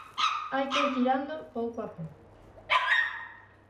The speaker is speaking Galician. Hai que ir tirando pouco a pouco.